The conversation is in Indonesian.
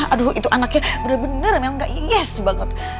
aduh itu anaknya bener bener memang gak yes banget